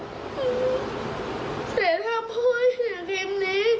สมมติว่าพูดตมนาครุกอมทดลง